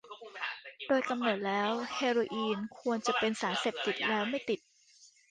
โดยกำเนิดแล้วเฮโรอีนควรจะเป็นสารที่เสพแล้วไม่ติด